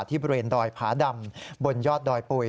ที่บริเวณดอยผาดำบนยอดดอยปุ๋ย